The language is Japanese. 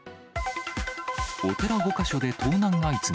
お寺５か所で盗難相次ぐ。